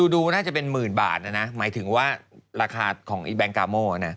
ดูน่าจะเป็นหมื่นบาทนะนะหมายถึงว่าราคาของแบงค์กาโม่นะ